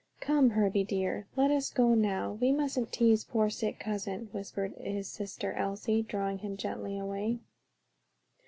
"Come, Herbie dear, let us go now; we mustn't tease poor sick cousin," whispered his sister Elsie, drawing him gently away.